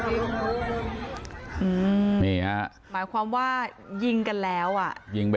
ท่านดูเหตุการณ์ก่อนนะครับ